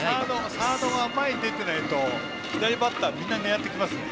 サードが前に出ていないと左バッターはみんな狙ってきますよ。